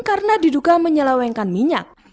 karena diduka menyelawengkan minyak